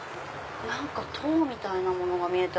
塔みたいなものが見えて。